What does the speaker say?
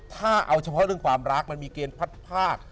ถ้าเอาเฉพาะเรื่องความรักมันมีเกณฑ์พัดภาค